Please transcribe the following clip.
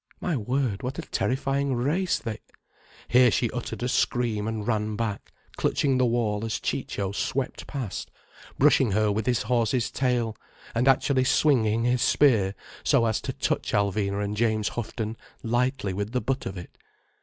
My word what a terrifying race they—" Here she uttered a scream and ran back clutching the wall as Ciccio swept past, brushing her with his horse's tail, and actually swinging his spear so as to touch Alvina and James Houghton lightly with the butt of it.